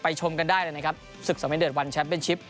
ชมกันได้เลยนะครับศึกสำเร็จวันแชมป์เป็นชิป